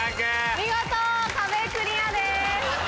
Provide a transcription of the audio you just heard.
見事壁クリアです。